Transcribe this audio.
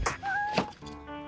tante ini sudah beres